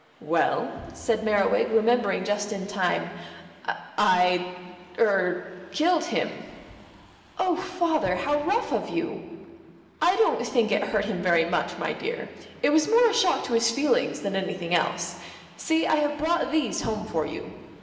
"Well," said Merriwig, remembering just in time, "I er killed him." "Oh, Father, how rough of you." "I don't think it hurt him very much, my dear. It was more a shock to his feelings than anything else. See, I have brought these home for you."